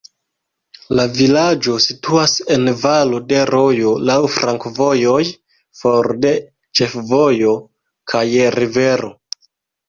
La vilaĝo situas en valo de rojo, laŭ flankovojoj, for de ĉefvojo kaj rivero.